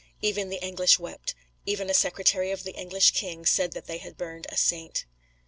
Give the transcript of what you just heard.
Even the English wept, even a secretary of the English king said that they had burned a Saint.